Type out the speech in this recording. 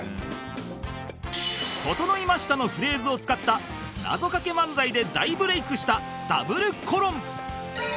「ととのいました」のフレーズを使った謎かけ漫才で大ブレイクした Ｗ コロン